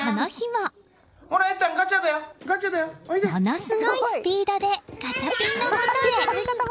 ものすごいスピードでガチャピンのもとへ。